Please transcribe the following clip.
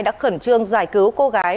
đã khẩn trương giải cứu cô gái